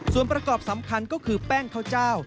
ส่วนประกอบสำคัญก็คือแป้งข้าวเจ้า